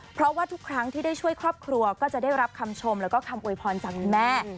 เพราะว่าทุกครั้งที่ได้ช่วยครอบครัวก็จะได้รับคำชมแล้วก็คำโวยพรจากคุณแม่